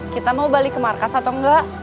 kita mau balik ke markas atau enggak